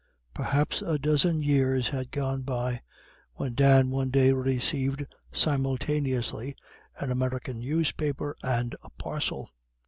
Perhaps a dozen years had gone by, when Dan one day received simultaneously an American newspaper and a parcel.